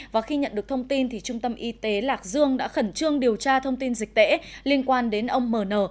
và khi nhận được thông tin trung tâm y tế lạc dương đã khẩn trương điều tra thông tin dịch tễ liên quan đến ông m n